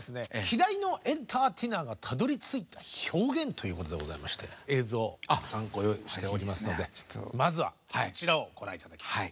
「希代のエンターテイナーがたどりついた表現」ということでございまして映像をたくさんご用意しておりますのでまずはこちらをご覧頂きます。